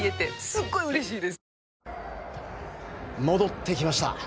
戻ってきました。